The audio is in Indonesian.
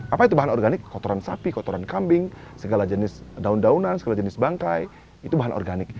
apa itu bahan organik kotoran sapi kotoran kambing segala jenis daun daunan segala jenis bangkai itu bahan organik